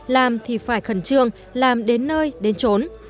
làm thì phải khẩn trương làm đến nơi đến trốn